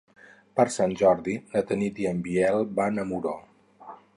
Per Sant Jordi na Tanit i en Biel van a Muro.